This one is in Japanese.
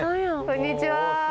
こんにちは。